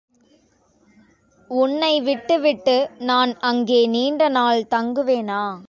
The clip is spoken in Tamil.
உன்னை விட்டு விட்டு நான் அங்கே நீண்ட நாள் தங்குவேனா?